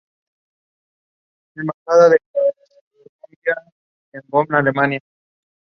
El pueblo es el hogar de la religión Mana.